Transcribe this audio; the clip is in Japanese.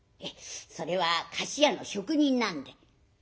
「それは菓子屋の職人なんで」。